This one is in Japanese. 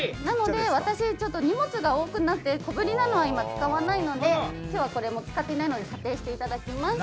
私、荷物が多くなって小ぶりなのは今使わないので今日はこれは使っていないので査定していただきます。